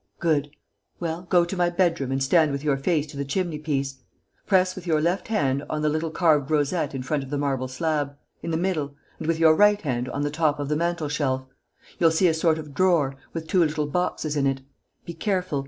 Good. Well, go to my bedroom and stand with your face to the chimney piece. Press with your left hand on the little carved rosette in front of the marble slab, in the middle, and with your right hand on the top of the mantel shelf. You'll see a sort of drawer, with two little boxes in it. Be careful.